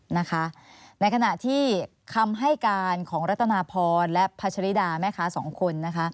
ในขณะที่คำให้การของรัตนาพรและพัชริดาแม่ค้าสองคนนะคะ